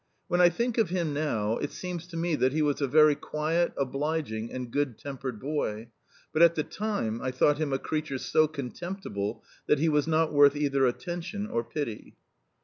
When I think of him now, it seems to me that he was a very quiet, obliging, and good tempered boy, but at the time I thought him a creature so contemptible that he was not worth either attention or pity.